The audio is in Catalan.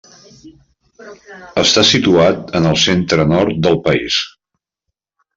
Està situat en el centre nord del país.